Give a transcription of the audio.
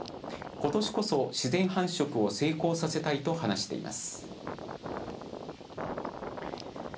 ことしこそ自然繁殖を成功させたいと話しています。